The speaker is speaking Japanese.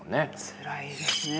つらいですね。